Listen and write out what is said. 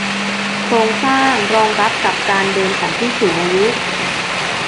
โครงสร้างรองรับกับการเดินของผู้สูงอายุ